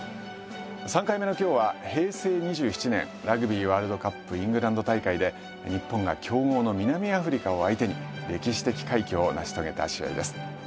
３回目の今日は平成２７年ラグビーワールドカップイングランド大会で日本が強豪の南アフリカを相手に歴史的快挙を成し遂げた試合です。